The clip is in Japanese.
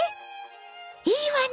いいわね